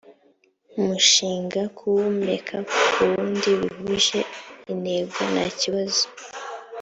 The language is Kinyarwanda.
umushinga kuwomeka ku wundi bihuje intego ntakibazo